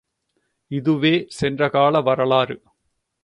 இதுவே சென்ற கால வரலாறு.